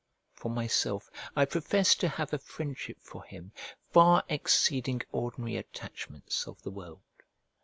For myself, I profess to have a friendship for him far exceeding ordinary attachments of the world.